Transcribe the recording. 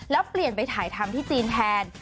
แล้วเปลี่ยนไปถ่ายทำที่จีนแทน